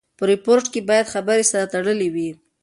په ریپورټ کښي باید خبري سره تړلې وي.